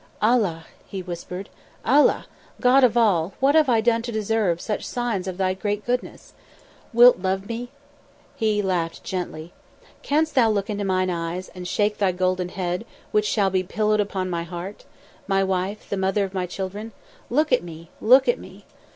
"Allah!" he whispered. "Allah! God of all, what have I done to deserve such signs of Thy great goodness? Wilt love me?" He laughed gently. "Canst thou look into mine eyes and shake thy golden head which shall be pillowed upon my heart my wife the mother of my children? Look at me! Look at me!